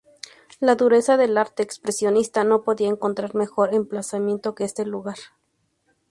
La dureza del arte expresionista no podía encontrar mejor emplazamiento que este lugar.